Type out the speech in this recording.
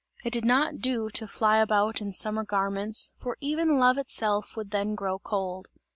It did not do to fly about in summer garments, for even love itself would then grow cold.